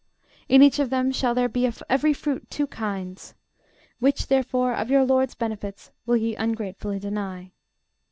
In each of them shall there be of every fruit two kinds. Which, therefore, of your LORD'S benefits will ye ungratefully deny?